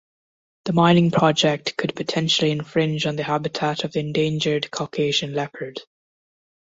The mining project could potentially infringe on the habitat of the endangered Caucasian leopard.